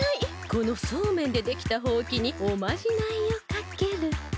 このソーメンでできたほうきにおまじないをかけると。